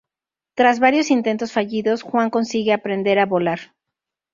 Tras varios intentos fallidos, Juan consigue aprender a volar.